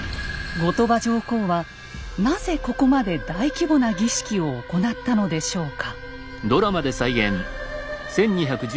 後鳥羽上皇はなぜここまで大規模な儀式を行ったのでしょうか？